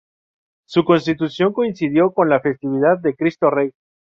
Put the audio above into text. Su constitución coincidió con la festividad del Cristo Rey.